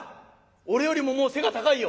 俺よりももう背が高いよ」。